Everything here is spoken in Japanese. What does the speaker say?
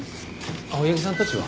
青柳さんたちは？